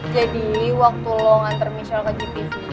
jadi waktu lo nganter michelle ke gpt